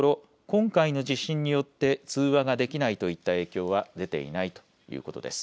今回の地震によって通話ができないといった影響は出ていないということです。